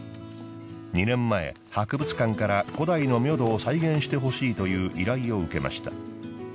２年前博物館から古代のミョドを再現してほしいという依頼を受けました。